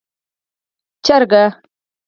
🐔 چرګه